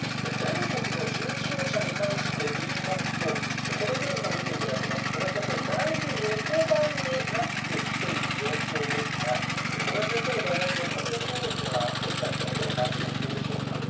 全国の重症者に関していいますと、このグラフを見ていきますと、小林先生、だいぶ横ばいになってきている状況ですが、小林先生の大学の関連病院では、現在、どのような状況でしょうか。